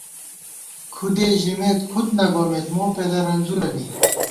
کُھدے ژِمېت کھُد نہ گومېت مو پېدہ رنځورَنی